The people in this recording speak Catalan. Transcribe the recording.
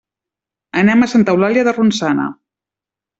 Anem a Santa Eulàlia de Ronçana.